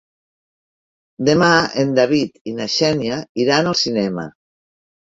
Demà en David i na Xènia iran al cinema.